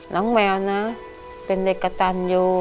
น้องแมวนะเป็นเด็กกระตันอยู่